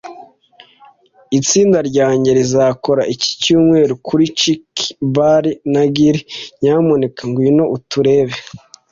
Itsinda ryanjye rizakora iki cyumweru kuri Chuck's Bar na Grill. Nyamuneka ngwino uturebe